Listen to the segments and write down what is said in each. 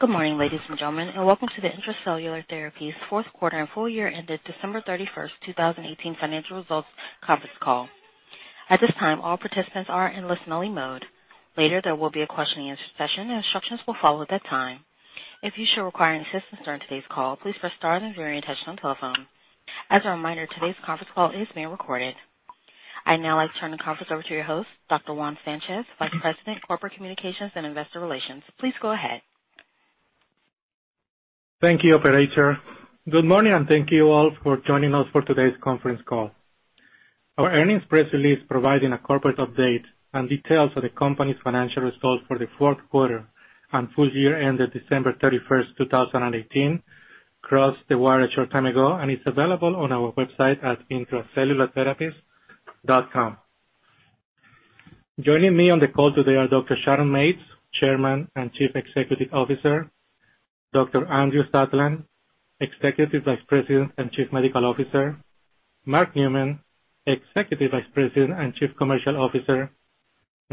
Good morning, ladies and gentlemen, and welcome to the Intra-Cellular Therapies fourth quarter and full year ended December 31st, 2018 financial results conference call. At this time, all participants are in listen-only mode. Later, there will be a question and answer session, and instructions will follow at that time. If you should require any assistance during today's call, please press star and zero to be touched on telephone. As a reminder, today's conference call is being recorded. I'd now like to turn the conference over to your host, Dr. Juan Sanchez, Vice President, Corporate Communications and Investor Relations. Please go ahead. Thank you, operator. Good morning, and thank you all for joining us for today's conference call. Our earnings press release providing a corporate update and details of the company's financial results for the fourth quarter and full year ended December 31st, 2018 crossed the wire a short time ago and is available on our website at intracellulartherapies.com. Joining me on the call today are Dr. Sharon Mates, Chairman and Chief Executive Officer, Dr. Andrew Satlin, Executive Vice President and Chief Medical Officer, Mark Neumann, Executive Vice President and Chief Commercial Officer,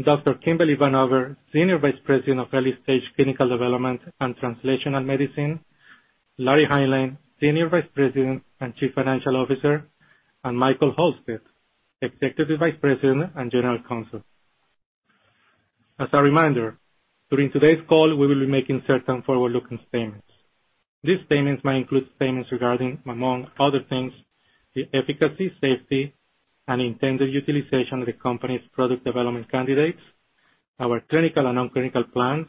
Dr. Kimberly Vanover, Senior Vice President of Early Stage Clinical Development and Translational Medicine, Larry Hineline, Senior Vice President and Chief Financial Officer, and Michael Halstead, Executive Vice President and General Counsel. As a reminder, during today's call, we will be making certain forward-looking statements. These statements may include statements regarding, among other things, the efficacy, safety, and intended utilization of the company's product development candidates, our clinical and non-clinical plans,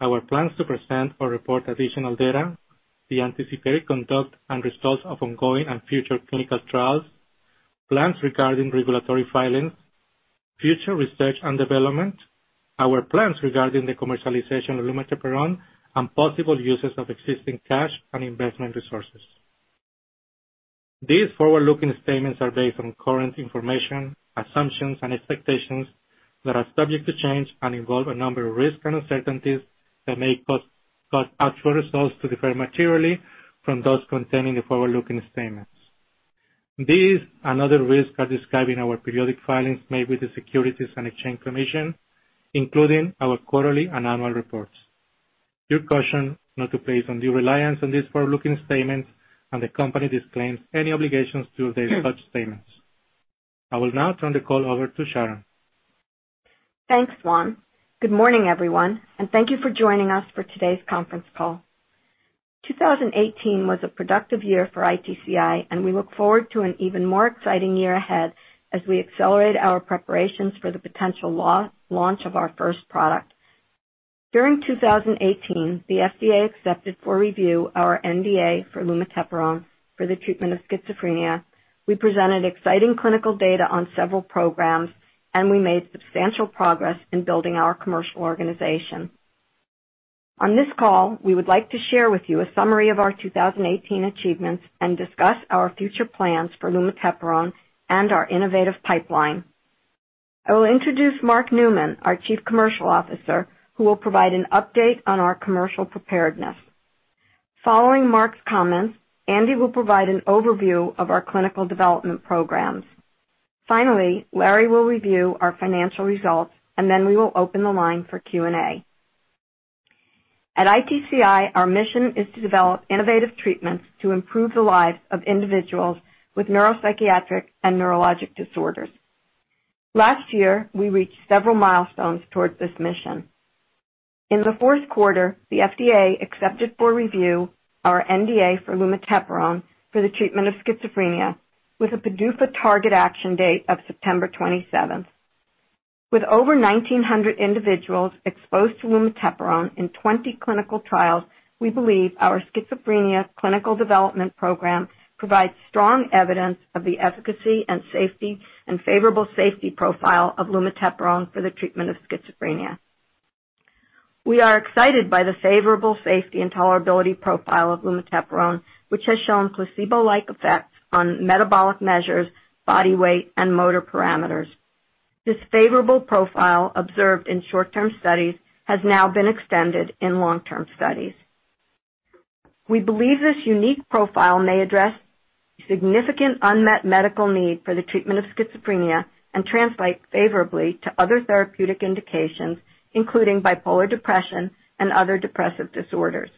our plans to present or report additional data, the anticipated conduct and results of ongoing and future clinical trials, plans regarding regulatory filings, future research and development, our plans regarding the commercialization of lumateperone, and possible uses of existing cash and investment resources. These forward-looking statements are based on current information, assumptions and expectations that are subject to change and involve a number of risks and uncertainties that may cause actual results to differ materially from those contained in the forward-looking statements. These and other risks are described in our periodic filings made with the Securities and Exchange Commission, including our quarterly and annual reports. You are cautioned not to place undue reliance on these forward-looking statements, and the company disclaims any obligation to update such statements. I will now turn the call over to Sharon. Thanks, Juan. Good morning, everyone, and thank you for joining us for today's conference call. 2018 was a productive year for ITCI, and we look forward to an even more exciting year ahead as we accelerate our preparations for the potential launch of our first product. During 2018, the FDA accepted for review our NDA for lumateperone for the treatment of schizophrenia. We presented exciting clinical data on several programs, and we made substantial progress in building our commercial organization. On this call, we would like to share with you a summary of our 2018 achievements and discuss our future plans for lumateperone and our innovative pipeline. I will introduce Mark Neumann, our Chief Commercial Officer, who will provide an update on our commercial preparedness. Following Mark's comments, Andy will provide an overview of our clinical development programs. Finally, Larry will review our financial results. Then we will open the line for Q&A. At ITCI, our mission is to develop innovative treatments to improve the lives of individuals with neuropsychiatric and neurologic disorders. Last year, we reached several milestones towards this mission. In the fourth quarter, the FDA accepted for review our NDA for lumateperone for the treatment of schizophrenia with a PDUFA target action date of September 27th. With over 1,900 individuals exposed to lumateperone in 20 clinical trials, we believe our schizophrenia clinical development program provides strong evidence of the efficacy and favorable safety profile of lumateperone for the treatment of schizophrenia. We are excited by the favorable safety and tolerability profile of lumateperone, which has shown placebo-like effects on metabolic measures, body weight, and motor parameters. This favorable profile observed in short-term studies has now been extended in long-term studies. We believe this unique profile may address significant unmet medical need for the treatment of schizophrenia and translate favorably to other therapeutic indications, including bipolar depression and other depressive disorders.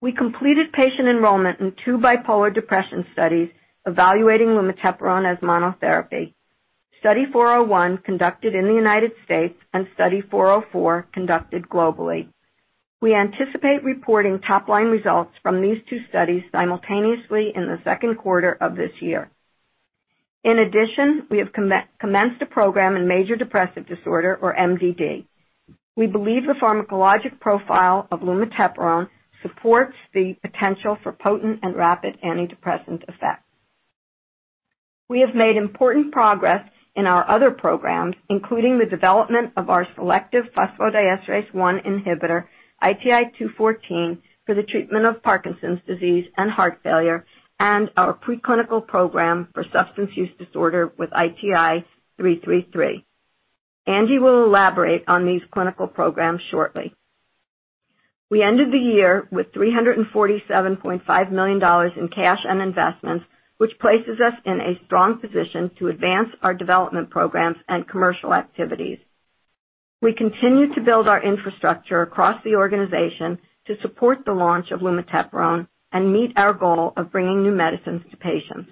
We completed patient enrollment in two bipolar depression studies evaluating lumateperone as monotherapy. Study 401 conducted in the U.S. and Study 404 conducted globally. We anticipate reporting top-line results from these two studies simultaneously in the second quarter of this year. In addition, we have commenced a program in major depressive disorder, or MDD. We believe the pharmacologic profile of lumateperone supports the potential for potent and rapid antidepressant effect. We have made important progress in our other programs, including the development of our selective phosphodiesterase 1 inhibitor, ITI-214, for the treatment of Parkinson's disease and heart failure, and our preclinical program for substance use disorder with ITI-333. Andy will elaborate on these clinical programs shortly. We ended the year with $347.5 million in cash and investments, which places us in a strong position to advance our development programs and commercial activities. We continue to build our infrastructure across the organization to support the launch of lumateperone and meet our goal of bringing new medicines to patients.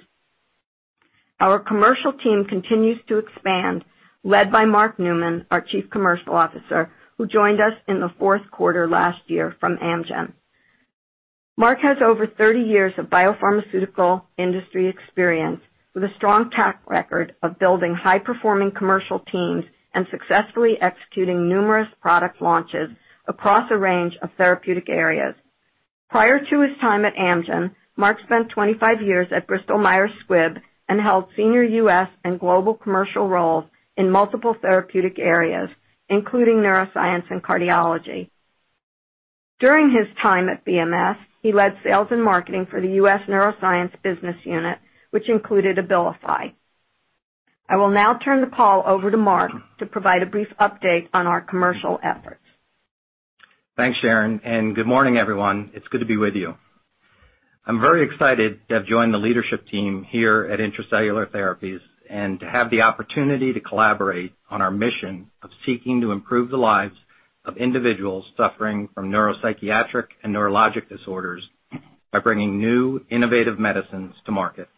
Our commercial team continues to expand, led by Mark Neumann, our Chief Commercial Officer, who joined us in the fourth quarter last year from Amgen. Mark has over 30 years of biopharmaceutical industry experience with a strong track record of building high-performing commercial teams and successfully executing numerous product launches across a range of therapeutic areas. Prior to his time at Amgen, Mark spent 25 years at Bristol Myers Squibb and held senior U.S. and global commercial roles in multiple therapeutic areas, including neuroscience and cardiology. During his time at BMS, he led sales and marketing for the U.S. neuroscience business unit, which included ABILIFY. I will now turn the call over to Mark to provide a brief update on our commercial efforts. Thanks, Sharon, and good morning, everyone. It's good to be with you. I'm very excited to have joined the leadership team here at Intra-Cellular Therapies and to have the opportunity to collaborate on our mission of seeking to improve the lives of individuals suffering from neuropsychiatric and neurologic disorders by bringing new, innovative medicines to market.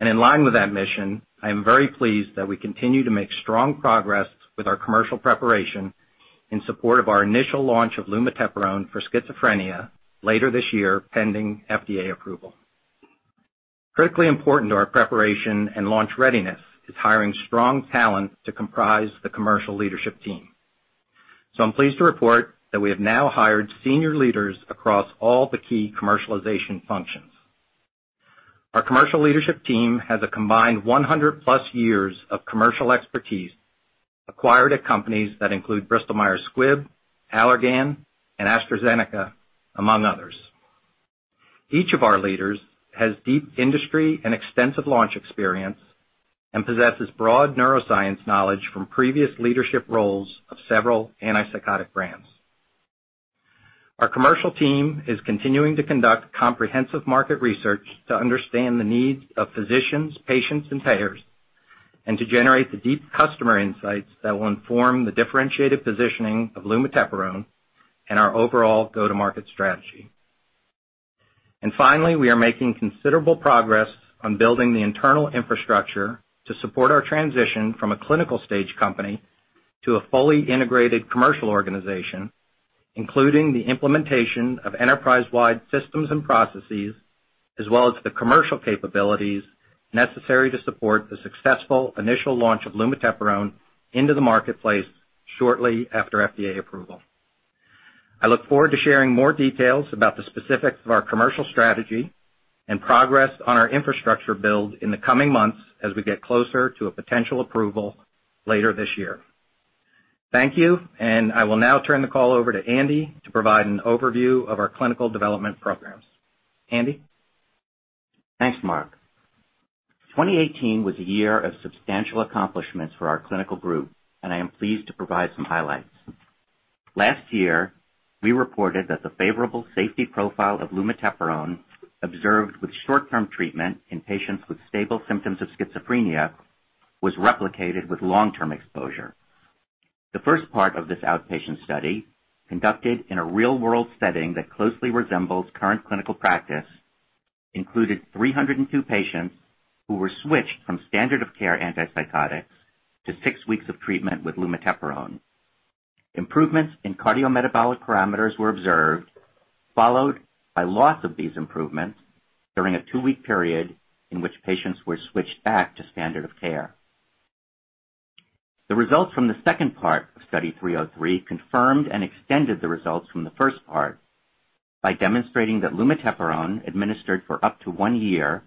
In line with that mission, I am very pleased that we continue to make strong progress with our commercial preparation in support of our initial launch of lumateperone for schizophrenia later this year, pending FDA approval. Critically important to our preparation and launch readiness is hiring strong talent to comprise the commercial leadership team. I'm pleased to report that we have now hired senior leaders across all the key commercialization functions. Our commercial leadership team has a combined 100-plus years of commercial expertise acquired at companies that include Bristol Myers Squibb, Allergan, and AstraZeneca, among others. Each of our leaders has deep industry and extensive launch experience and possesses broad neuroscience knowledge from previous leadership roles of several antipsychotic brands. Our commercial team is continuing to conduct comprehensive market research to understand the needs of physicians, patients, and payers, and to generate the deep customer insights that will inform the differentiated positioning of lumateperone and our overall go-to-market strategy. Finally, we are making considerable progress on building the internal infrastructure to support our transition from a clinical stage company to a fully integrated commercial organization, including the implementation of enterprise-wide systems and processes, as well as the commercial capabilities necessary to support the successful initial launch of lumateperone into the marketplace shortly after FDA approval. I look forward to sharing more details about the specifics of our commercial strategy and progress on our infrastructure build in the coming months as we get closer to a potential approval later this year. Thank you, and I will now turn the call over to Andy to provide an overview of our clinical development programs. Andy? Thanks, Mark. 2018 was a year of substantial accomplishments for our clinical group, and I am pleased to provide some highlights. Last year, we reported that the favorable safety profile of lumateperone observed with short-term treatment in patients with stable symptoms of schizophrenia was replicated with long-term exposure. The first part of this outpatient study, conducted in a real-world setting that closely resembles current clinical practice, included 302 patients who were switched from standard of care antipsychotics to six weeks of treatment with lumateperone. Improvements in cardiometabolic parameters were observed, followed by loss of these improvements during a two-week period in which patients were switched back to standard of care. The results from the second part of Study 303 confirmed and extended the results from the first part by demonstrating that lumateperone administered for up to one year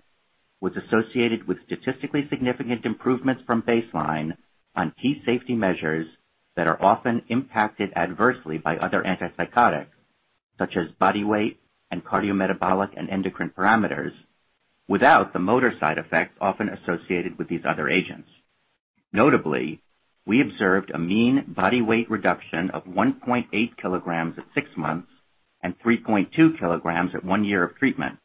was associated with statistically significant improvements from baseline on key safety measures that are often impacted adversely by other antipsychotics, such as body weight and cardiometabolic and endocrine parameters, without the motor side effects often associated with these other agents. Notably, we observed a mean body weight reduction of 1.8 kilograms at six months and 3.2 kilograms at one year of treatment,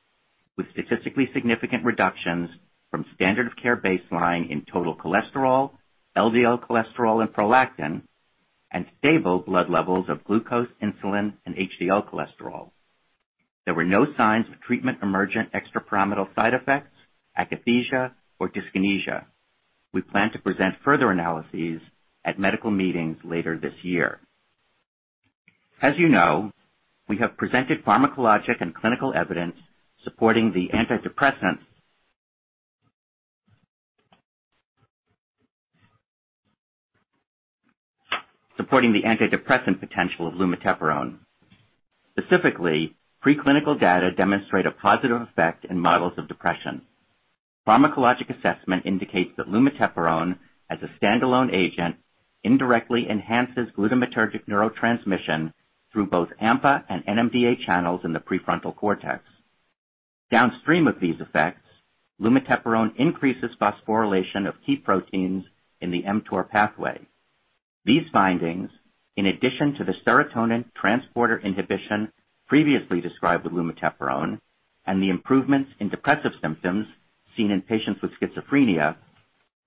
with statistically significant reductions from standard of care baseline in total cholesterol, LDL cholesterol and prolactin, and stable blood levels of glucose, insulin, and HDL cholesterol. There were no signs of treatment-emergent extrapyramidal side effects, akathisia, or dyskinesia. We plan to present further analyses at medical meetings later this year. As you know, we have presented pharmacologic and clinical evidence supporting the antidepressant potential of lumateperone. Specifically, preclinical data demonstrate a positive effect in models of depression. Pharmacologic assessment indicates that lumateperone, as a standalone agent, indirectly enhances glutamatergic neurotransmission through both AMPA and NMDA channels in the prefrontal cortex. Downstream of these effects, lumateperone increases phosphorylation of key proteins in the mTOR pathway. These findings, in addition to the serotonin transporter inhibition previously described with lumateperone and the improvements in depressive symptoms seen in patients with schizophrenia,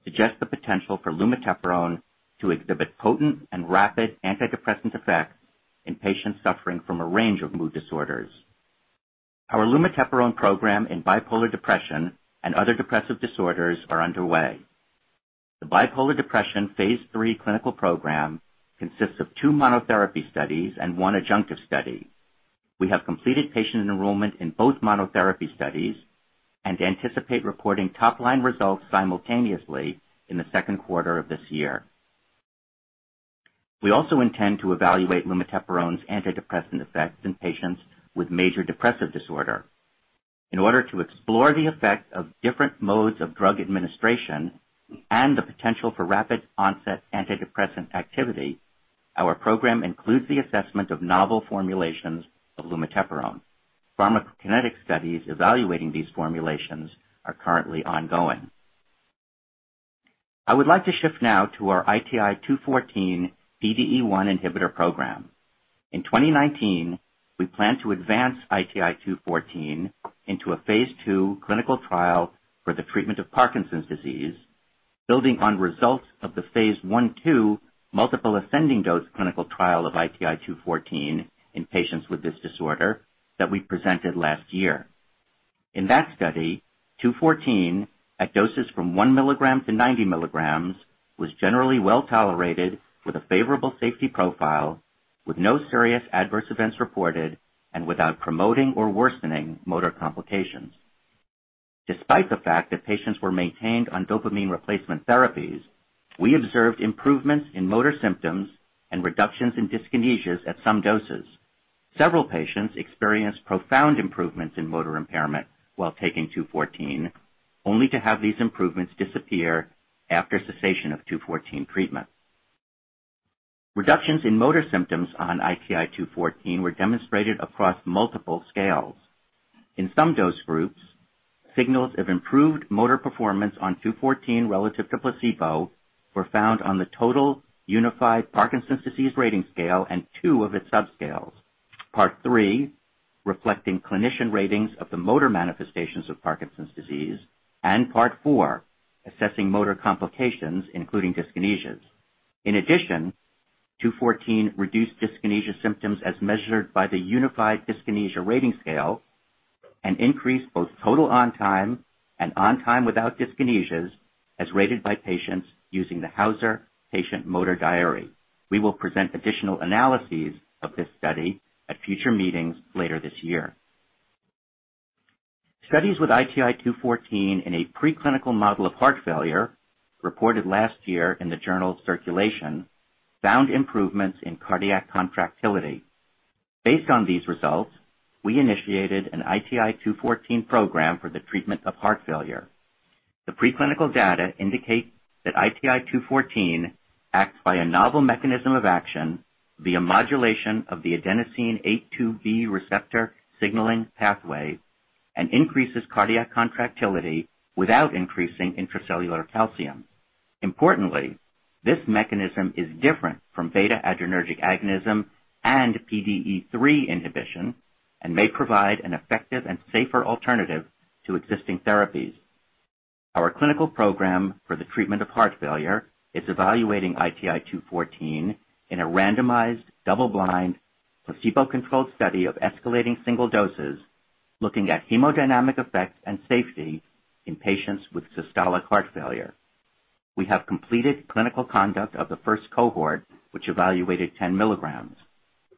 suggest the potential for lumateperone to exhibit potent and rapid antidepressant effects in patients suffering from a range of mood disorders. Our lumateperone program in bipolar depression and other depressive disorders are underway. The bipolar depression phase III clinical program consists of two monotherapy studies and one adjunctive study. We have completed patient enrollment in both monotherapy studies and anticipate reporting top-line results simultaneously in the second quarter of this year. We also intend to evaluate lumateperone's antidepressant effects in patients with major depressive disorder. In order to explore the effect of different modes of drug administration and the potential for rapid onset antidepressant activity, our program includes the assessment of novel formulations of lumateperone. Pharmacokinetic studies evaluating these formulations are currently ongoing. I would like to shift now to our ITI-214 PDE1 inhibitor program. In 2019, we plan to advance ITI-214 into a phase II clinical trial for the treatment of Parkinson's disease, building on results of the phase I/II multiple ascending-dose clinical trial of ITI-214 in patients with this disorder that we presented last year. In that study, 214, at doses from one milligram to 90 milligrams, was generally well-tolerated with a favorable safety profile, with no serious adverse events reported and without promoting or worsening motor complications. Despite the fact that patients were maintained on dopamine replacement therapies, we observed improvements in motor symptoms and reductions in dyskinesias at some doses. Several patients experienced profound improvements in motor impairment while taking 214, only to have these improvements disappear after cessation of 214 treatment. Reductions in motor symptoms on ITI-214 were demonstrated across multiple scales. In some dose groups, signals of improved motor performance on 214 relative to placebo were found on the total Unified Parkinson's Disease Rating Scale and two of its subscales. Part 3, reflecting clinician ratings of the motor manifestations of Parkinson's disease, and Part 4, assessing motor complications, including dyskinesias. In addition, 214 reduced dyskinesia symptoms as measured by the Unified Dyskinesia Rating Scale, and increased both total on-time and on-time without dyskinesias as rated by patients using the Hauser Diary. We will present additional analyses of this study at future meetings later this year. Studies with ITI-214 in a preclinical model of heart failure, reported last year in the journal Circulation, found improvements in cardiac contractility. Based on these results, we initiated an ITI-214 program for the treatment of heart failure. The preclinical data indicate that ITI-214 acts by a novel mechanism of action via modulation of the adenosine A2B receptor signaling pathway and increases cardiac contractility without increasing intracellular calcium. Importantly, this mechanism is different from beta-adrenergic agonism and PDE3 inhibition and may provide an effective and safer alternative to existing therapies. Our clinical program for the treatment of heart failure is evaluating ITI-214 in a randomized, double-blind, placebo-controlled study of escalating single doses, looking at hemodynamic effects and safety in patients with systolic heart failure. We have completed clinical conduct of the first cohort, which evaluated 10 milligrams.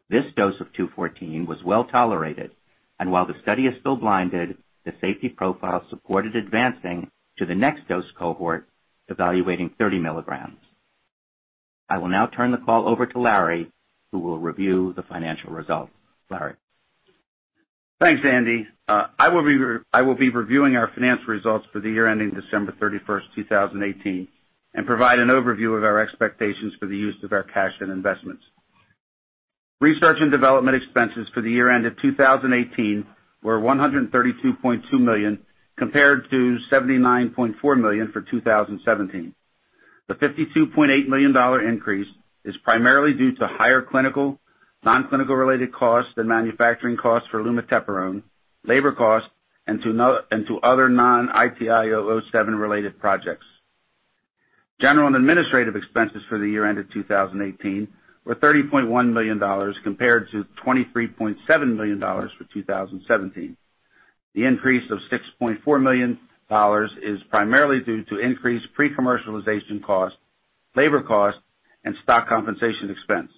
This dose of 214 was well-tolerated, and while the study is still blinded, the safety profile supported advancing to the next dose cohort, evaluating 30 milligrams. I will now turn the call over to Larry, who will review the financial results. Larry. Thanks, Andy. I will be reviewing our financial results for the year ending December 31st, 2018 and provide an overview of our expectations for the use of our cash and investments. Research and development expenses for the year end of 2018 were $132.2 million, compared to $79.4 million for 2017. The $52.8 million increase is primarily due to higher clinical/non-clinical related costs than manufacturing costs for lumateperone, labor costs, and to other non-ITI-007 related projects. General and administrative expenses for the year end of 2018 were $30.1 million compared to $23.7 million for 2017. The increase of $6.4 million is primarily due to increased pre-commercialization costs, labor costs, and stock compensation expense.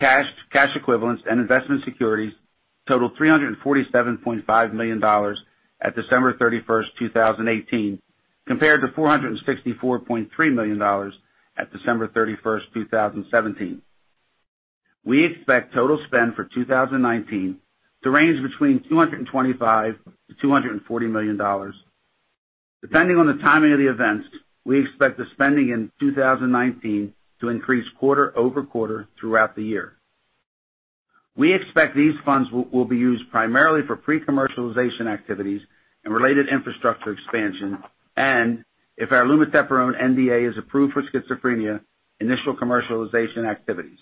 Cash, cash equivalents, and investment securities totaled $347.5 million at December 31st, 2018 compared to $464.3 million at December 31st, 2017. We expect total spend for 2019 to range between $225 million-$240 million. Depending on the timing of the events, we expect the spending in 2019 to increase quarter-over-quarter throughout the year. We expect these funds will be used primarily for pre-commercialization activities and related infrastructure expansion. If our lumateperone NDA is approved for schizophrenia, initial commercialization activities.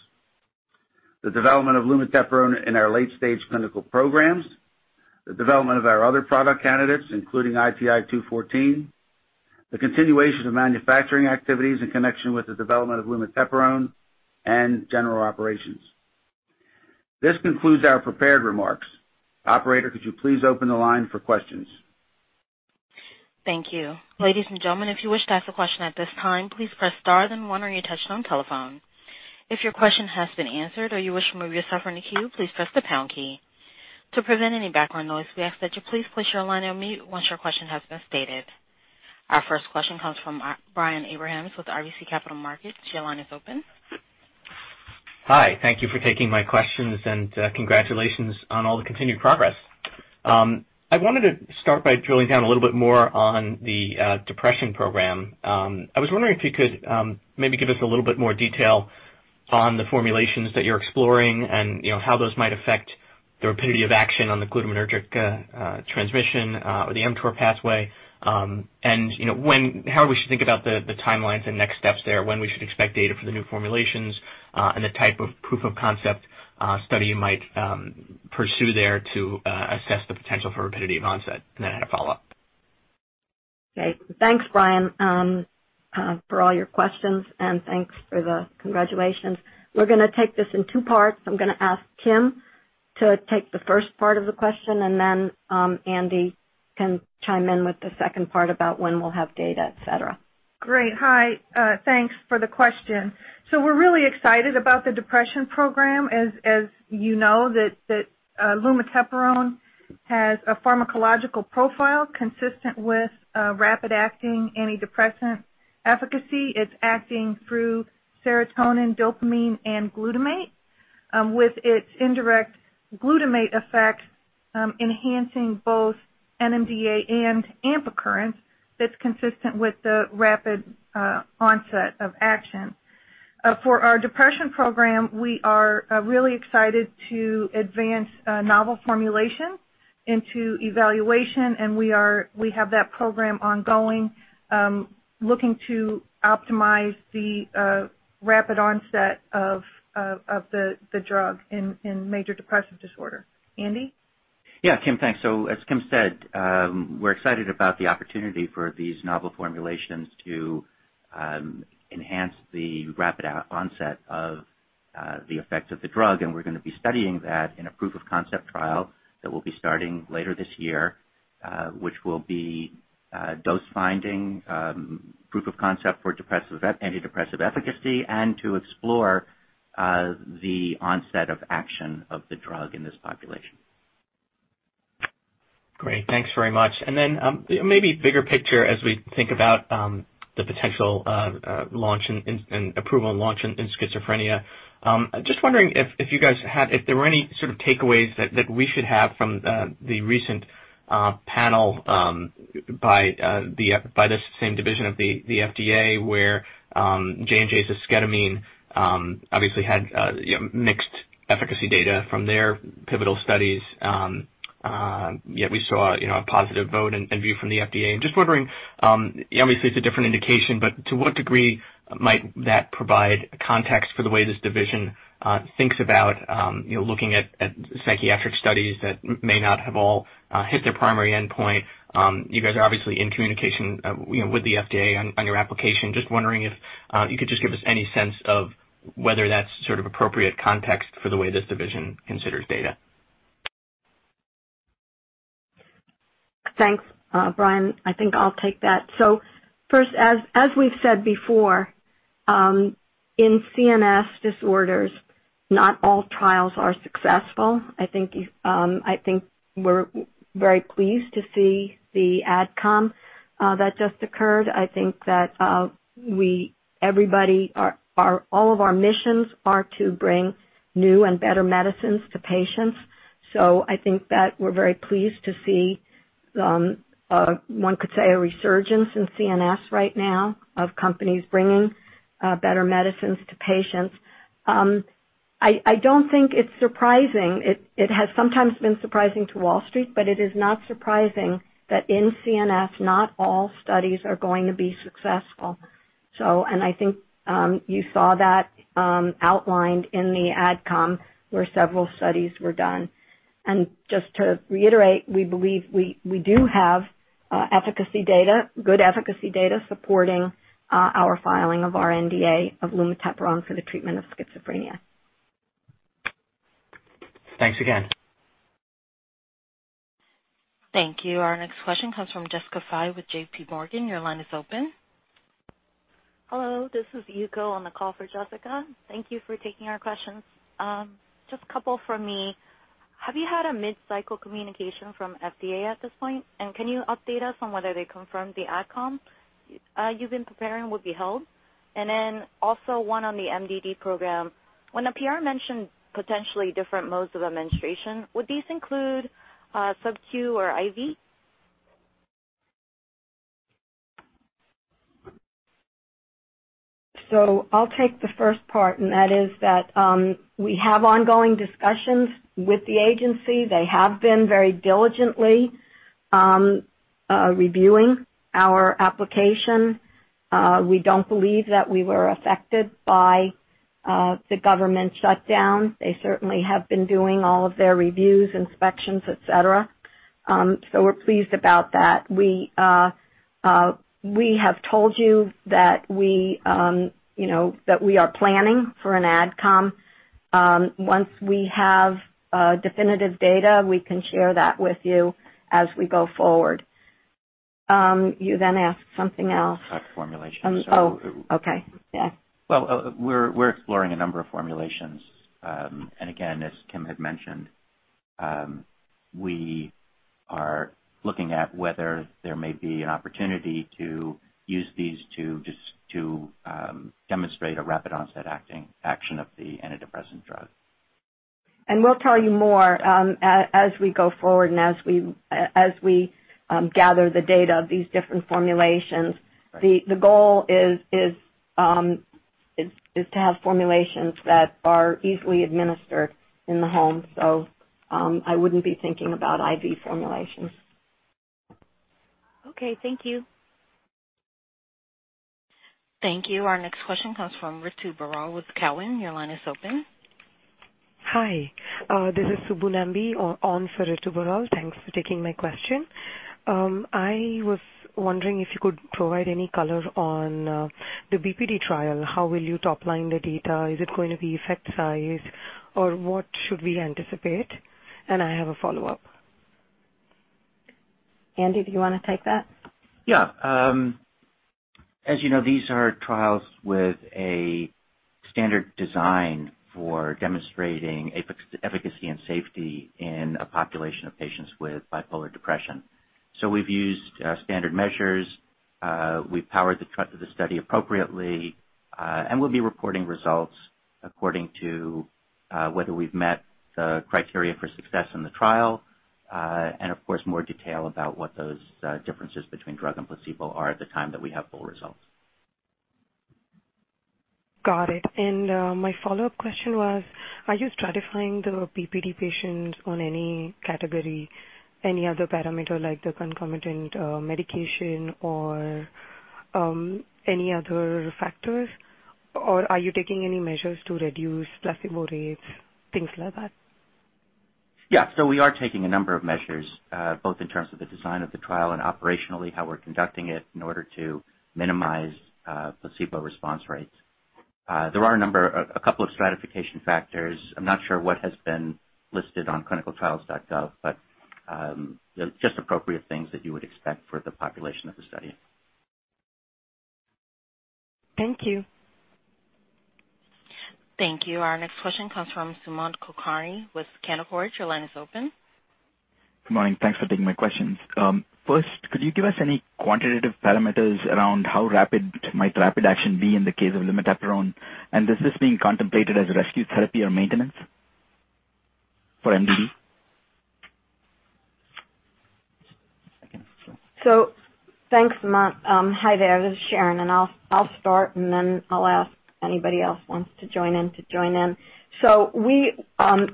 The development of lumateperone in our late-stage clinical programs, the development of our other product candidates, including ITI-214, the continuation of manufacturing activities in connection with the development of lumateperone, and general operations. This concludes our prepared remarks. Operator, could you please open the line for questions? Thank you. Ladies and gentlemen, if you wish to ask a question at this time, please press star then one on your touchtone telephone. If your question has been answered or you wish to remove yourself from the queue, please press the pound key. To prevent any background noise, we ask that you please place your line on mute once your question has been stated. Our first question comes from Brian Abrahams with RBC Capital Markets. Your line is open. Hi. Thank you for taking my questions, and congratulations on all the continued progress. I wanted to start by drilling down a little bit more on the depression program. I was wondering if you could maybe give us a little bit more detail on the formulations that you're exploring and how those might affect the rapidity of action on the glutamatergic transmission, or the mTOR pathway. How we should think about the timelines and next steps there, when we should expect data for the new formulations, and the type of proof of concept study you might pursue there to assess the potential for rapidity of onset. Then I had a follow-up. Okay. Thanks, Brian, for all your questions, and thanks for the congratulations. We're going to take this in two parts. I'm going to ask Kim to take the first part of the question, and then Andy can chime in with the second part about when we'll have data, et cetera. Great. Hi. Thanks for the question. We're really excited about the depression program. As you know, lumateperone has a pharmacological profile consistent with rapid-acting antidepressant efficacy. It's acting through serotonin, dopamine, and glutamate. With its indirect glutamate effect enhancing both NMDA and AMPA currents that's consistent with the rapid onset of action. For our depression program, we are really excited to advance a novel formulation into evaluation, and we have that program ongoing, looking to optimize the rapid onset of the drug in major depressive disorder. Andy? Yeah, Kim, thanks. As Kim said, we're excited about the opportunity for these novel formulations to enhance the rapid onset of the effect of the drug. We're going to be studying that in a proof of concept trial that we'll be starting later this year, which will be dose finding, proof of concept for antidepressive efficacy, and to explore the onset of action of the drug in this population. Great. Thanks very much. Maybe bigger picture as we think about the potential approval and launch in schizophrenia. Just wondering if there were any sort of takeaways that we should have from the recent panel by the same division of the FDA where J&J's esketamine obviously had mixed efficacy data from their pivotal studies. Yet we saw a positive vote and view from the FDA. Just wondering, obviously it's a different indication, but to what degree might that provide context for the way this division thinks about looking at psychiatric studies that may not have all hit their primary endpoint? You guys are obviously in communication with the FDA on your application. Just wondering if you could just give us any sense of whether that's sort of appropriate context for the way this division considers data. Thanks, Brian. I think I'll take that. First, as we've said before, in CNS disorders, not all trials are successful. I think we're very pleased to see the AdComm that just occurred. I think that all of our missions are to bring new and better medicines to patients. I think that we're very pleased to see, one could say, a resurgence in CNS right now of companies bringing better medicines to patients. I don't think it's surprising. It has sometimes been surprising to Wall Street, but it is not surprising that in CNS, not all studies are going to be successful. I think you saw that outlined in the AdComm where several studies were done. Just to reiterate, we believe we do have efficacy data, good efficacy data supporting our filing of our NDA of lumateperone for the treatment of schizophrenia. Thanks again. Thank you. Our next question comes from Jessica Fye with J.P. Morgan. Your line is open. Hello, this is Yuko on the call for Jessica. Thank you for taking our questions. Just a couple from me. Have you had a mid-cycle communication from FDA at this point? Can you update us on whether they confirmed the AdCom you've been preparing will be held? Also one on the MDD program. When the PR mentioned potentially different modes of administration, would these include sub-Q or IV? I'll take the first part, and that is that we have ongoing discussions with the agency. They have been very diligently reviewing our application. We don't believe that we were affected by the government shutdown. They certainly have been doing all of their reviews, inspections, et cetera. We're pleased about that. We have told you that we are planning for an AdComm. Once we have definitive data, we can share that with you as we go forward. You asked something else. About formulations. Oh, okay. Yeah. Well, we're exploring a number of formulations. Again, as Kim had mentioned, we are looking at whether there may be an opportunity to use these two just to demonstrate a rapid onset acting action of the antidepressant drug. We'll tell you more as we go forward and as we gather the data of these different formulations. Right. The goal is to have formulations that are easily administered in the home. I wouldn't be thinking about IV formulations. Okay. Thank you. Thank you. Our next question comes from Ritu Baral with Cowen. Your line is open. Hi. This is Subbu Nambi on for Ritu Baral. Thanks for taking my question. I was wondering if you could provide any color on the BPD trial. How will you top line the data? Is it going to be effect size, or what should we anticipate? I have a follow-up. Andy, do you want to take that? Yeah. As you know, these are trials with a standard design for demonstrating efficacy and safety in a population of patients with bipolar depression. We've used standard measures. We've powered the study appropriately. We'll be reporting results according to whether we've met the criteria for success in the trial. Of course, more detail about what those differences between drug and placebo are at the time that we have full results. Got it. My follow-up question was, are you stratifying the BPD patients on any category, any other parameter like the concomitant medication or any other factors? Are you taking any measures to reduce placebo rates, things like that? We are taking a number of measures, both in terms of the design of the trial and operationally, how we're conducting it in order to minimize placebo response rates. There are a couple of stratification factors. I'm not sure what has been listed on clinicaltrials.gov, but just appropriate things that you would expect for the population of the study. Thank you. Thank you. Our next question comes from Sumant Kulkarni with Canaccord. Your line is open. Good morning. Thanks for taking my questions. First, could you give us any quantitative parameters around how rapid might rapid action be in the case of lumateperone, and is this being contemplated as a rescue therapy or maintenance for MDD? One second. Thanks, Sumant. Hi there, this is Sharon. I'll start, then I'll ask anybody else who wants to join in to join in. We,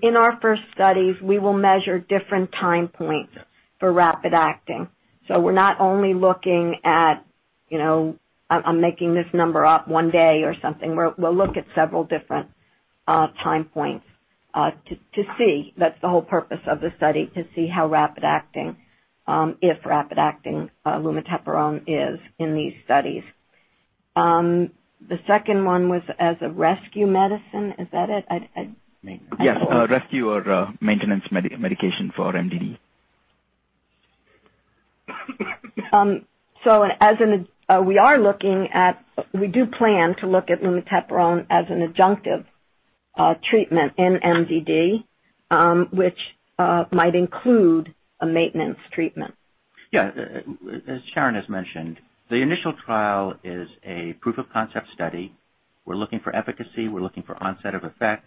in our first studies, will measure different time points for rapid acting. We're not only looking at, I'm making this number up, one day or something. We'll look at several different time points to see. That's the whole purpose of the study, to see how rapid acting, if rapid acting, lumateperone is in these studies. The second one was as a rescue medicine. Is that it? Yes. A rescue or maintenance medication for MDD. We do plan to look at lumateperone as an adjunctive treatment in MDD, which might include a maintenance treatment. Yeah. As Sharon has mentioned, the initial trial is a proof of concept study. We're looking for efficacy. We're looking for onset of effect.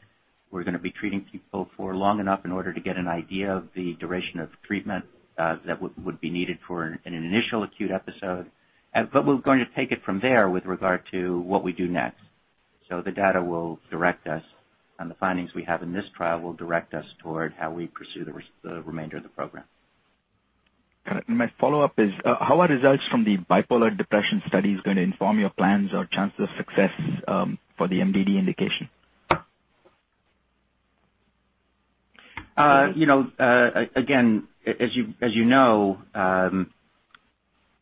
We're going to be treating people for long enough in order to get an idea of the duration of treatment that would be needed for an initial acute episode. We're going to take it from there with regard to what we do next. The data will direct us, and the findings we have in this trial will direct us toward how we pursue the remainder of the program. Got it. My follow-up is, how are results from the bipolar depression studies going to inform your plans or chances of success for the MDD indication? As you know,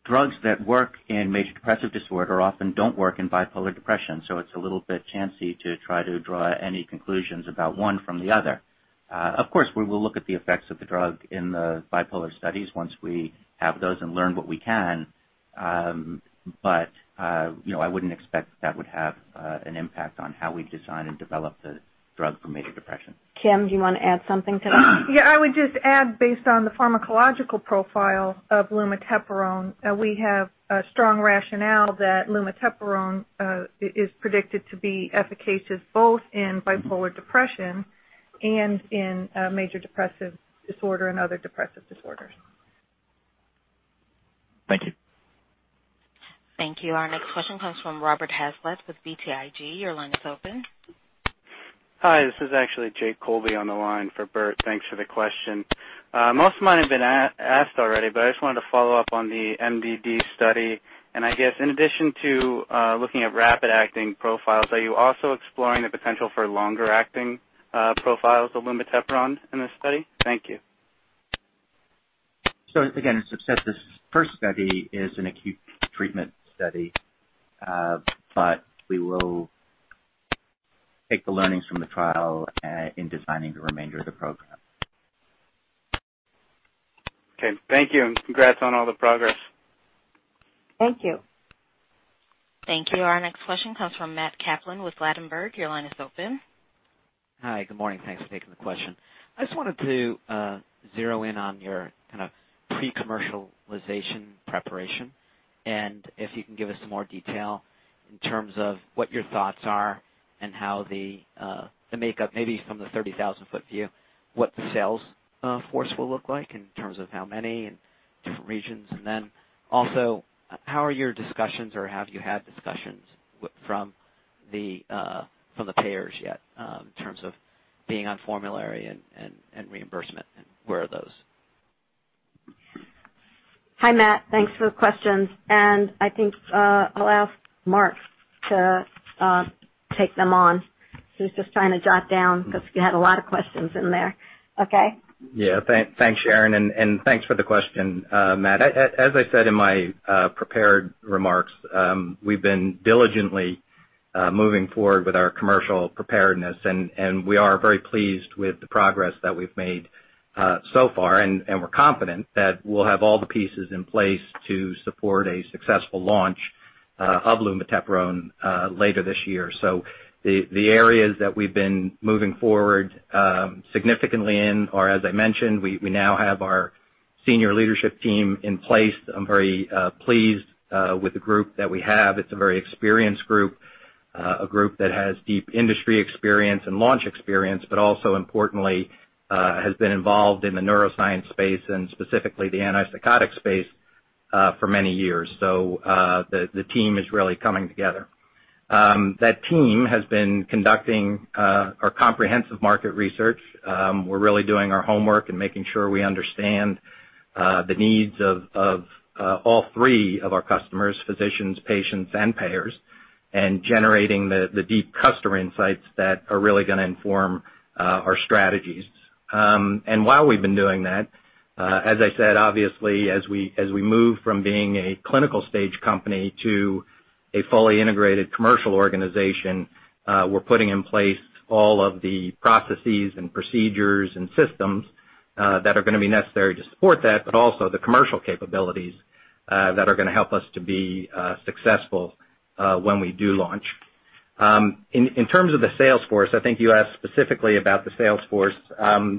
drugs that work in major depressive disorder often don't work in bipolar depression, it's a little bit chancy to try to draw any conclusions about one from the other. Of course, we will look at the effects of the drug in the bipolar studies once we have those and learn what we can. I wouldn't expect that would have an impact on how we design and develop the drug for major depression. Kim, do you want to add something to that? Yeah, I would just add, based on the pharmacological profile of lumateperone, we have a strong rationale that lumateperone is predicted to be efficacious both in bipolar depression and in major depressive disorder and other depressive disorders. Thank you. Thank you. Our next question comes from Robert Hazlett with BTIG. Your line is open. Hi, this is actually Jake Colby on the line for Bert. Thanks for the question. Most of mine have been asked already, but I just wanted to follow up on the MDD study. I guess in addition to looking at rapid-acting profiles, are you also exploring the potential for longer-acting profiles of lumateperone in this study? Thank you. Again, as I've said, this first study is an acute treatment study. We will take the learnings from the trial in designing the remainder of the program. Okay, thank you, and congrats on all the progress. Thank you. Thank you. Our next question comes from Matt Kaplan with Ladenburg Thalmann. Your line is open. Hi, good morning. Thanks for taking the question. I just wanted to zero in on your pre-commercialization preparation and if you can give us some more detail in terms of what your thoughts are and how the makeup, maybe from the 30,000-foot view, what the sales force will look like in terms of how many and different regions. Also, how are your discussions, or have you had discussions from the payers yet in terms of being on formulary and reimbursement, and where are those? Hi, Matt. Thanks for the questions. I think I'll ask Mark to take them on. He was just trying to jot down because you had a lot of questions in there. Okay? Yeah. Thanks, Sharon, and thanks for the question, Matt. As I said in my prepared remarks, we've been diligently moving forward with our commercial preparedness, and we are very pleased with the progress that we've made so far. We're confident that we'll have all the pieces in place to support a successful launch of lumateperone later this year. The areas that we've been moving forward significantly in are, as I mentioned, we now have our senior leadership team in place. I'm very pleased with the group that we have. It's a very experienced group, a group that has deep industry experience and launch experience, but also importantly, has been involved in the neuroscience space and specifically the antipsychotic space, for many years. The team is really coming together. That team has been conducting our comprehensive market research. We're really doing our homework and making sure we understand the needs of all three of our customers, physicians, patients, and payers, and generating the deep customer insights that are really going to inform our strategies. While we've been doing that, as I said, obviously, as we move from being a clinical stage company to a fully integrated commercial organization, we're putting in place all of the processes and procedures and systems that are going to be necessary to support that, but also the commercial capabilities that are going to help us to be successful when we do launch. In terms of the sales force, I think you asked specifically about the sales force.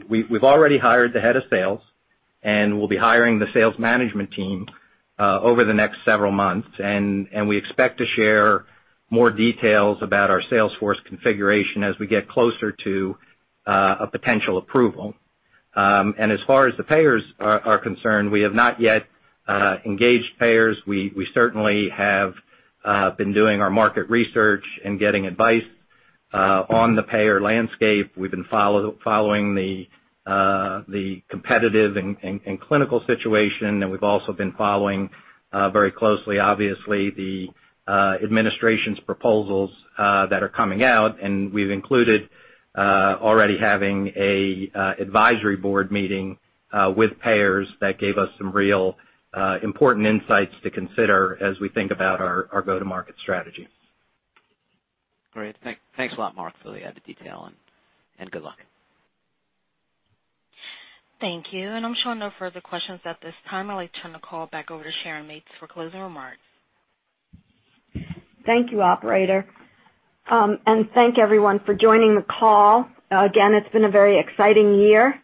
We've already hired the head of sales, and we'll be hiring the sales management team over the next several months. We expect to share more details about our sales force configuration as we get closer to a potential approval. As far as the payers are concerned, we have not yet engaged payers. We certainly have been doing our market research and getting advice on the payer landscape. We've been following the competitive and clinical situation, and we've also been following very closely, obviously, the administration's proposals that are coming out. We've included already having an advisory board meeting with payers that gave us some real important insights to consider as we think about our go-to-market strategy. Great. Thanks a lot, Mark, for the added detail. Good luck. Thank you. I'm showing no further questions at this time. I'd like to turn the call back over to Sharon Mates for closing remarks. Thank you, operator. Thank everyone for joining the call. Again, it's been a very exciting year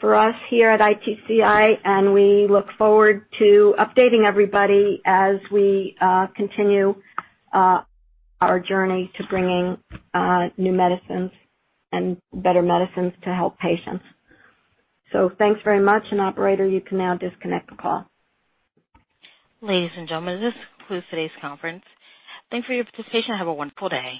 for us here at ITCI. We look forward to updating everybody as we continue our journey to bringing new medicines and better medicines to help patients. Thanks very much. Operator, you can now disconnect the call. Ladies and gentlemen, this concludes today's conference. Thanks for your participation. Have a wonderful day.